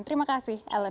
terima kasih ellen